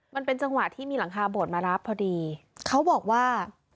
มันเป็นจังหวะที่มีหลังคาโบดมารับพอดีเขาบอกว่า